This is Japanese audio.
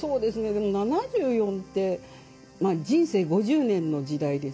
でも７４ってまあ人生５０年の時代ですからね。